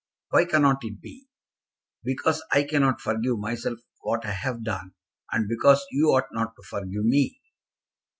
"Why cannot it be?" "Because I cannot forgive myself what I have done, and because you ought not to forgive me."